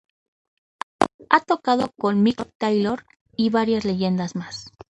Ha tocado con Mick Taylor y varias leyendas más.